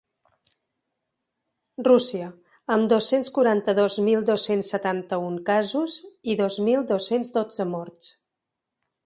Rússia, amb dos-cents quaranta-dos mil dos-cents setanta-un casos i dos mil dos-cents dotze morts.